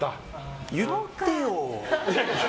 言ってよ！